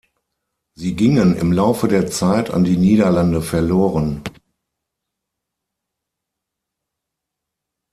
Sie gingen im Laufe der Zeit an die Niederlande verloren.